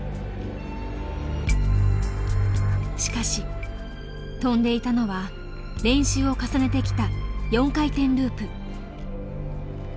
しかし跳んでいたのは練習を重ねてきた４回転ループ。